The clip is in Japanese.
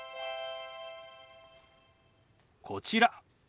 こちら。